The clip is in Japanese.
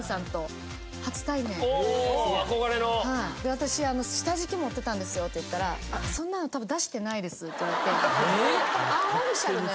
私下敷き持ってたんですよって言ったらそんなの多分出してないですって言われて。